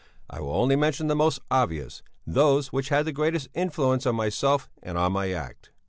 I will only mention the most obvious, those which had the greatest influence on myself and on my act.